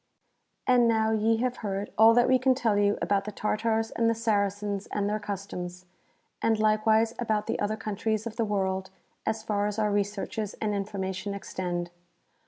* And now ye have heard all that we can tell you about the Tartars and the Saracens and their customs, and likewise about the other countries of the world as far as our researches and information extend.